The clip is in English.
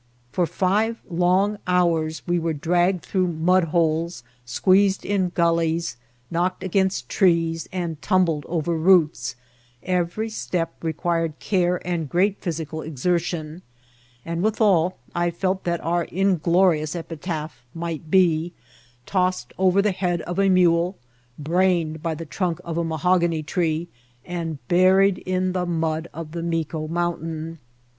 For five long hours we were draped through mudholes, squeezed in gulleys, knocked against trees, and tumbled over roots ; every step required care and great physical exertion; and, withal, I felt that our inglorious epitaph might be, '^ tossed over the head of a mule, brained by the trunk of a mahogany tree, and buried in the mud of the Mico Mountain."